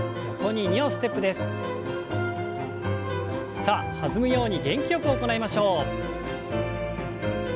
さあ弾むように元気よく行いましょう。